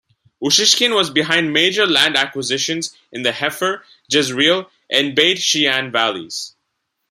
Ussishkin was behind major land acquisitions in the Hefer, Jezreel and Beit She'an valleys.